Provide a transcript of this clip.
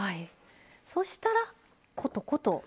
そしたら、コトコト。